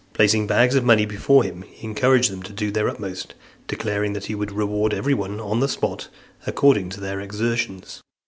Placing bags of money before him, he encouraged them to do their utmost, declaring, that he would reward every one on the spot, according to their exertions.